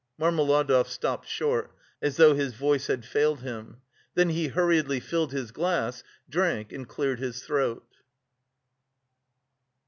Marmeladov stopped short, as though his voice had failed him. Then he hurriedly filled his glass, drank, and cleared his throat.